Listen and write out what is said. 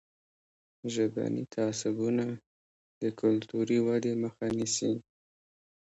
ژبني تعصبونه د کلتوري ودې مخه نیسي.